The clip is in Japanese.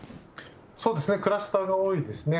そうですね、クラスターが多いですね。